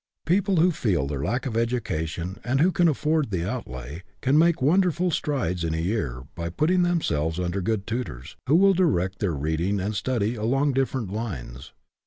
People who feel their lack of education, and who can afford the outlay, can make wonderful strides in a year by putting themselves under good tutors, who will direct their reading and study along different lines.